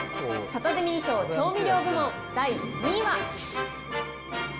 サタデミー賞調味料部門第２位は。